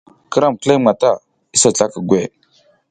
Ki ram kileƞ mata isa zlaka gweʼe.